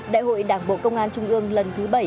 đại hội đảng bộ công an trung ương lần thứ bảy